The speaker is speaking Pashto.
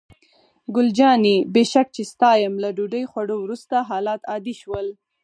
ګل جانې: بې شک چې ستا یم، له ډوډۍ خوړو وروسته حالات عادي شول.